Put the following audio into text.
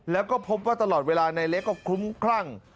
แล้วก็พบว่าตลอดเวลาในเล็กก็คลุ้มคลั่ง